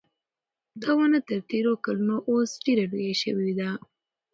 دا ونه تر تېرو کلونو اوس ډېره لویه شوې ده.